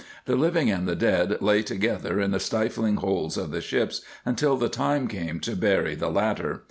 The living and the dead lay together in the stifling holds of the ships until the time came to bury the latter.